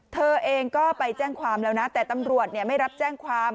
เธอเองก็ไปแจ้งความแล้วนะแต่ตำรวจไม่รับแจ้งความ